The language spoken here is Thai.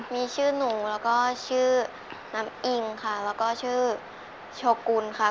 มีชื่อหนูแล้วก็ชื่อน้ำอิงค่ะแล้วก็ชื่อโชกุลค่ะ